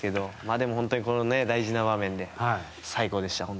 でも、この大事な場面で最高でした。